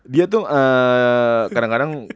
dia tuh kadang kadang